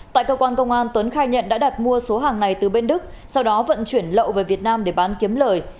tại cơ quan công an tuấn khai nhận đã đặt mua số hàng này từ bên đức sau đó vận chuyển lậu về việt nam để bán kiếm lời